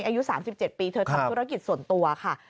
อายุ๓๗ปีเธอทำธุรกิจส่วนตัวค่ะ